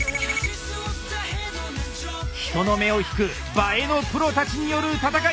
人の目を引く映えのプロたちによる戦い！